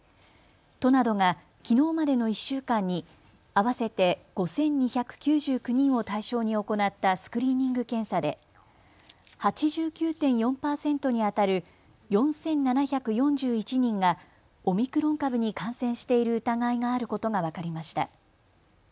都などが、きのうまでの１週間に合わせて５２９９人を対象に行ったスクリーニング検査で８９．４％にあたる４７４１人がオミクロン株に感染している疑いがあることが分かりました。